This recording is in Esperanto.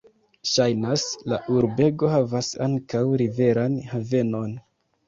Ŝajnas, la urbego havas ankaŭ riveran havenon.